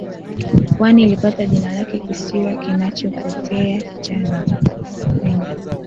Pwani ilipata jina lake kisiwa kinachopotea cha Nakupenda